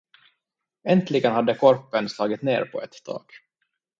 Äntligen hade korpen slagit ner på ett tak.